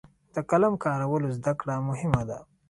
د قلم کارولو زده کړه مهمه ده.